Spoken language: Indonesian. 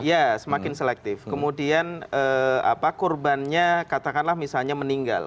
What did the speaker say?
ya semakin selektif kemudian apa kurbannya katakanlah misalnya meninggal